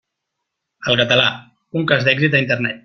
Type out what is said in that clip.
El català, un cas d'èxit a Internet.